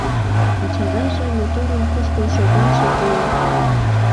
А Чавайже — моторын кушкын шогалше куэ.